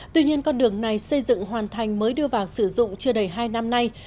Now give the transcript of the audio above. tuy nhiên con đường này xây dựng hoàn thành mới đưa vào sử dụng chưa đầy hai năm nay